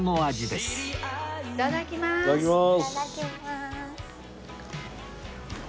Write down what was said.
いただきます。